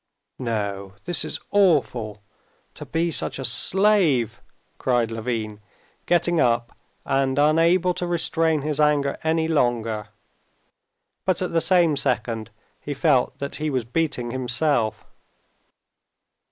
"No; this is awful! To be such a slave!" cried Levin, getting up, and unable to restrain his anger any longer. But at the same second he felt that he was beating himself.